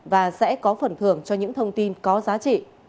và sẽ có phần thưởng cho những thông tin có giá trị